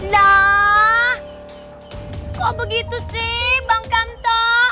nah kok begitu sih bang kantong